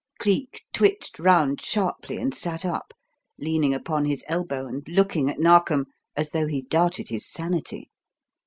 Cleek twitched round sharply and sat up, leaning upon his elbow and looking at Narkom as though he doubted his sanity.